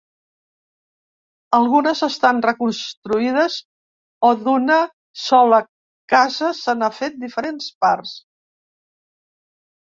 Algunes estan reconstruïdes o d'una sola casa se n'han fet diferents parts.